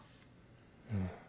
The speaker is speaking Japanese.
うん。